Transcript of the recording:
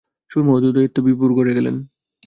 সুরমা ও উদয়াদিত্য বিভার ঘরে গেলেন।